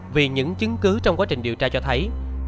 vì những chứng cứ trong quá trình điều tra cho thấy